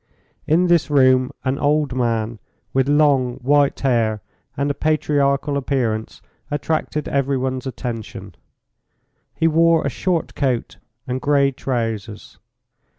In this room an old man with long, white hair and a patriarchal appearance attracted every one's attention. He wore a short coat and grey trousers.